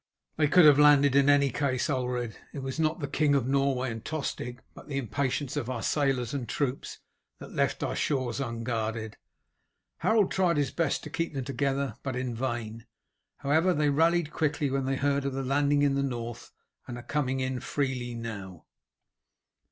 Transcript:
"They could have landed in any case, Ulred. It was not the King of Norway and Tostig, but the impatience of our sailors and troops, that left our shores unguarded. Harold tried his best to keep them together, but in vain. However, they rallied quickly when they heard of the landing in the North, and are coming in freely now."